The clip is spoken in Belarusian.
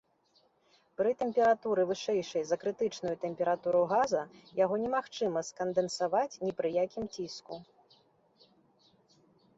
Пры тэмпературы, вышэйшай за крытычную тэмпературу газа, яго немагчыма скандэнсаваць ні пры якім ціску.